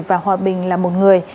và hòa bình là một người